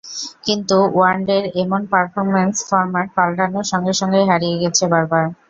কিন্তু ওয়ানডের এমন performance format পাল্টানোর সঙ্গে সঙ্গেই হারিয়ে গিয়েছে বারবার।